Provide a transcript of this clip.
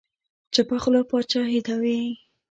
چپه خوله باچاهي وي.